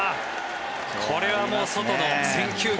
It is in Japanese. これはもう、ソトの選球眼。